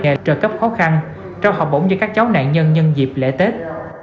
nghề trợ cấp khó khăn trao học bổng cho các cháu nạn nhân nhân dịp lễ tết